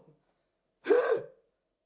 えっ？